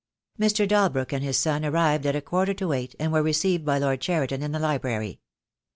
Mr. Dalbrook and his son arrived at a quarter to eight, and were received by Lord Cheriton in the library.